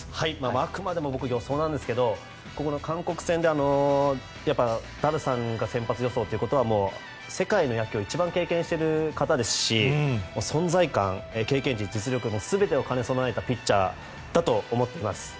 あくまでも僕の予想ですけど韓国戦でダルさんが先発予想ということは世界の野球を一番経験している方ですし存在感、経験値実力、全てを兼ね備えたピッチャーだと思っています。